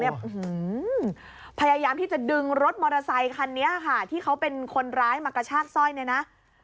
พยายามที่จะดึงรถมอเตอร์ไซคันนี้ค่ะที่เขาเป็นคนร้ายมากระชากสร้อยเนี่ยนะ